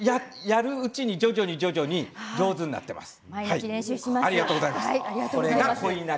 やるうちに徐々に上手になっていきます。